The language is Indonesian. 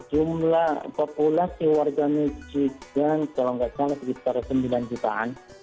jumlah populasi warga misinya kalau nggak salah sekitar sembilan jutaan